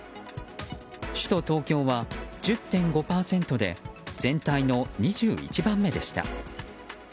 首都・東京は１０．５％で全体の２１番目でした。